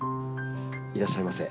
いらっしゃいませ。